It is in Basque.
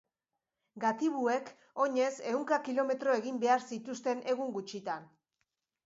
Gatibuek oinez ehunka kilometro egin behar zituzten egun gutxitan.